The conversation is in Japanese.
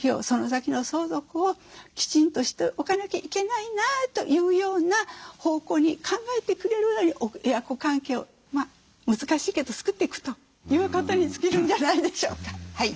その先の相続をきちんとしておかなきゃいけないなというような方向に考えてくれるぐらいに親子関係を難しいけど作っていくということに尽きるんじゃないでしょうか。